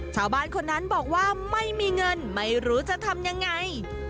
ชาวบ้านคนนั้นบอกว่าไม่มีเงินไม่รู้จะทำยังไง